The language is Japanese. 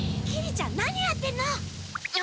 きりちゃん何やってんの！？